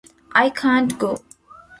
I can't go!